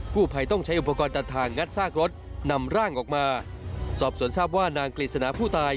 ผู้ภัยต้องใช้อุปกรณ์ตัดทางงัดซากรถนำร่างออกมาสอบสวนทราบว่านางกฤษณาผู้ตาย